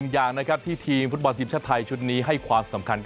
อย่างที่ทีมธุรกิจชาติไทยชุดนี้ให้ความสำคัญ